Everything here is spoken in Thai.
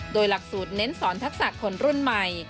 โดยหลักสูตรเน้นสอนทักษะคนรุ่นใหม่